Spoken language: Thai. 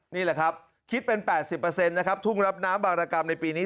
นี่แหละครับคิดเป็น๘๐นะครับทุ่งรับน้ำบางรกรรมในปีนี้